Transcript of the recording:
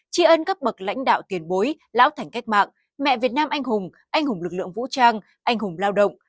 tri ân các bậc lãnh đạo tiền bối lão thành cách mạng mẹ việt nam anh hùng anh hùng lực lượng vũ trang anh hùng lao động